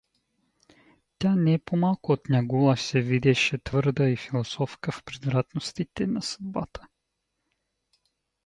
Тя не по-малко от Нягула се видеше твърда и философка в превратностите на съдбата.